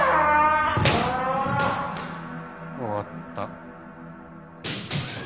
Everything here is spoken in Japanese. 終わった。